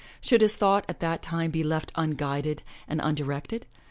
Should his thought at that time be left unguided and imdirected?